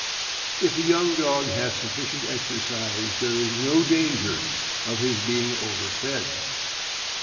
If a young dog has sufficient exercise, there is no danger of his being overfed.